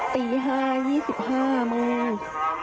ตี๕๒๕มึง